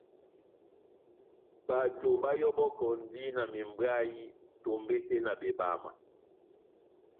Bato bayɔbɔkɔndi na membwayï tombete na bebama.